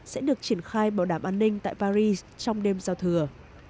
sẽ được triển khai bảo đảm an ninh tại paris trong đêm giao thừa